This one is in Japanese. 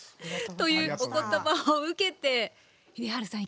というお言葉を受けて秀治さん